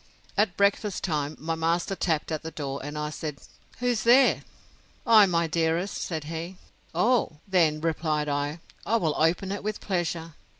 At breakfast time my master tapped at the door, and I said, Who's there? I, my dearest, said he. Oh! then, replied I, I will open it with pleasure.